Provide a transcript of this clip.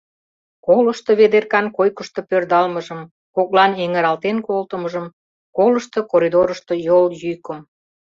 Колышто Ведеркан койкышто пӧрдалмыжым, коклан эҥыралтен колтымыжым, колышто коридорышто йол йӱкым.